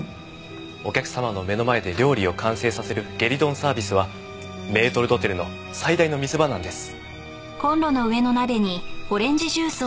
お客様の目の前で料理を完成させるゲリドンサービスはメートル・ドテルの最大の見せ場なんです。